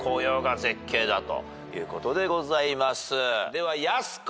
ではやす子。